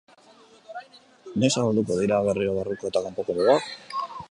Noiz zabalduko dira berriro barruko eta kanpoko mugak?